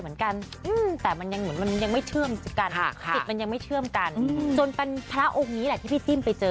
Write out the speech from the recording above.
มันยังไม่เชื่อมกันสิทธิ์มันยังไม่เชื่อมกันจนเป็นพระองค์นี้แหละที่พี่ซิ่มไปเจอ